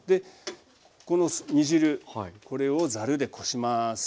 この煮汁これをざるでこします。